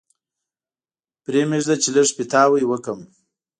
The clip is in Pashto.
پرې مېږده چې لږ پیتاوی وکړم.